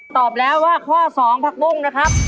ตอบแล้วว่าข้อ๒ผักบุ้งนะครับ